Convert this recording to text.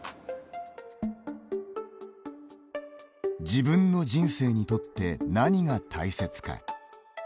自分の人生にとって何が大切か。